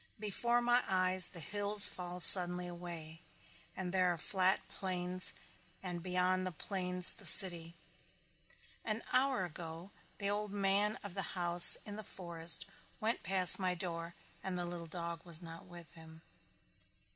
Before my eyes the hills fall suddenly away and there are the flat plains and beyond the plains the city. An hour ago the old man of the house in the forest went past my door and the little dog was not with him.